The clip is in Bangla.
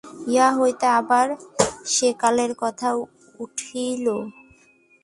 ইহা হইতে আবার সেকালের কথা উঠিল।